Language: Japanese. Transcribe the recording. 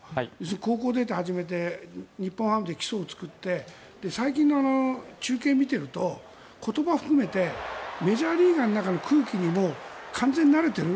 高校出て、始めて日本ハムで基礎を作って最近の中継を見ていると言葉を含めてメジャーリーガーの中に空気にもう完全に慣れている。